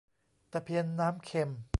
ตะเพียนน้ำเค็ม